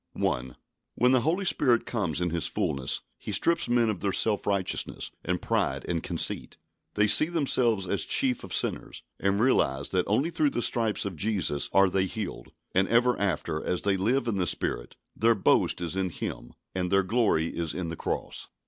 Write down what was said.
1. When the Holy Spirit comes in His fullness, He strips men of their self righteousness and pride and conceit. They see themselves as the chief of sinners, and realise that only through the stripes of Jesus are they healed; and ever after, as they live in the Spirit, their boast is in Him and their glory is in the cross.